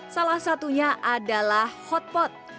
salah satunya adalah hotpot